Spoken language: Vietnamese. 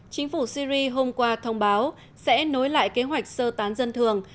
chính phủ syri hôm qua thông báo sẽ nối lại kế hoạch sơ tán dân thường